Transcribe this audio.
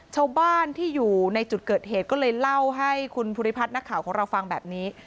ชาวบ้านที่อยู่ในจุดเกิดเหตุก็เลยเล่าให้คุณภูริพัฒน์นักข่าวของเราฟังแบบนี้